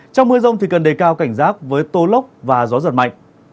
trong mưa rông thì cần đề cao cảnh giác với tô lốc và gió giật mạnh